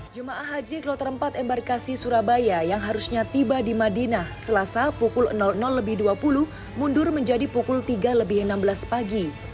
jemaah haji kloter empat embarkasi surabaya yang harusnya tiba di madinah selasa pukul dua puluh mundur menjadi pukul tiga lebih enam belas pagi